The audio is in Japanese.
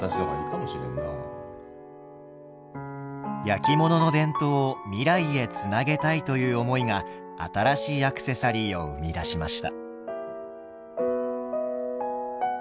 焼き物の伝統を未来へつなげたいという思いが新しいアクセサリーを生み出しました。